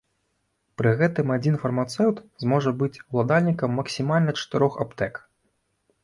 Пры гэтым адзін фармацэўт зможа быць уладальнікам максімальна чатырох аптэк.